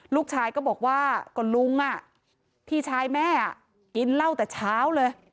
ลูกชายก็บอกว่าก็ลุงพี่ชายแม่กินเหล้าแต่เช้าเลย